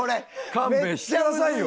勘弁してくださいよ。